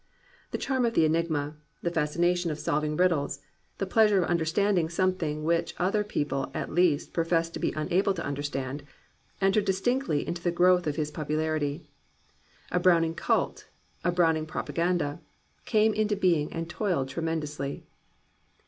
The charm of the enigma, the fascination of solving riddles, the pleasure of understanding something which other people at least professed to be unable to understand, entered distinctly into the growth of his popularity. A Browning cult, a Browning propa^ ganda, came into being and toiled tremendously.